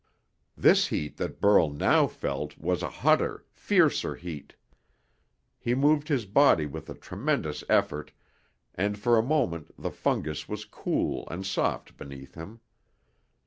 This heat that Burl now felt was a hotter, fiercer heat. He moved his body with a tremendous effort, and for a moment the fungus was cool and soft beneath him.